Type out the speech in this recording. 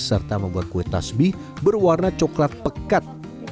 serta membuat kue tasbih berwarna coklat pekat